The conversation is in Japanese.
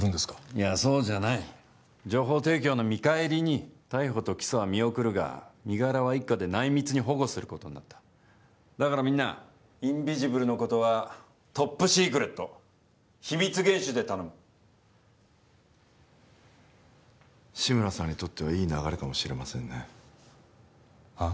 いやそうじゃない情報提供の見返りに逮捕と起訴は見送るが身柄は一課で内密に保護することになっただからみんなインビジブルのことはトップシークレット秘密厳守で頼む志村さんにとってはいい流れかもしれませんねはあ？